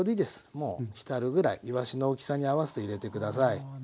もう浸るぐらいいわしの大きさに合わせて入れて下さい。